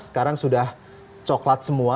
sekarang sudah coklat semua